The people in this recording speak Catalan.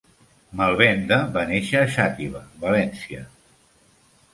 Malvenda va néixer a Xàtiva, València.